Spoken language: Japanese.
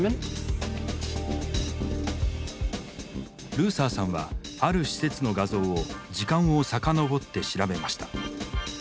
ルーサーさんはある施設の画像を時間を遡って調べました。